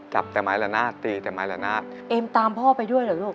จับแต่ไม้ละนะตีแต่ไม้ละนะเอมตามพ่อไปด้วยเหรอลูก